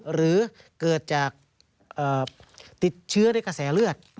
หรือเกิดจากติดเชื้อในกระแสเลือด